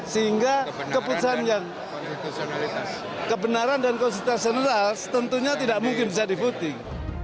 sehingga kebenaran dan konsentrasionalitas tentunya tidak mungkin bisa diputing